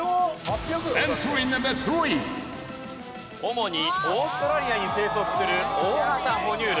主にオーストラリアに生息する大型哺乳類。